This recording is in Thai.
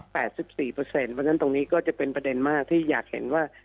เพราะฉะนั้นตรงนี้ก็จะเป็นประเด็นมากที่อยากเห็นว่า